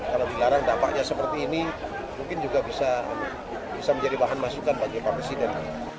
kalau dilarang dampaknya seperti ini mungkin juga bisa menjadi bahan masukan bagi pak presiden